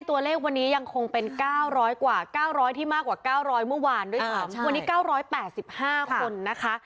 ตัวเลขวันนี้ยังคงเป็นเก้าร้อยกว่าเก้าร้อยที่มากกว่าเก้าร้อยเมื่อวานด้วยความว่านี้เก้าร้อยแปดสิบห้าคนนะคะ